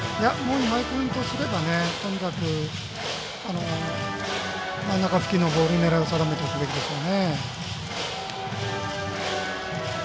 今井君とすればとにかく真ん中付近のボールに狙いを定めていくべきでしょうね。